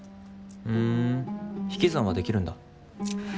ふん引き算はできるんだ。